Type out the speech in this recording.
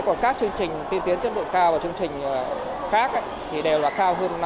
còn các chương trình tiên tiến chất lượng cao và chương trình khác thì đều là cao hơn